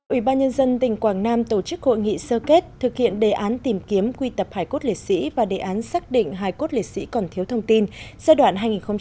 ủy ban nhân dân tỉnh quảng nam tổ chức hội nghị sơ kết thực hiện đề án tìm kiếm quy tập hải cốt lễ sĩ và đề án xác định hải cốt lễ sĩ còn thiếu thông tin giai đoạn hai nghìn một mươi sáu hai nghìn hai mươi